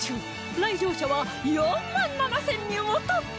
来場者は４万７０００人を突破！